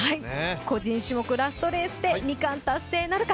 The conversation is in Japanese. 個人種目ラストレースで２冠達成なるか。